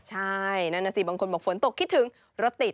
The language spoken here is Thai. ใช่นั่นน่ะสิบางคนบอกฝนตกคิดถึงรถติด